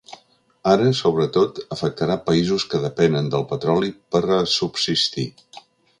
Ara, sobretot, afectarà països que depenen del petroli per a subsistir.